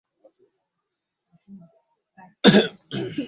ugonjwa wa kisukari unatibiwa kwa muda mrefu sana